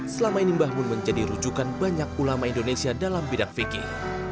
selama ini bahmun menjadi rujukan banyak ulama indonesia dalam bidang fikir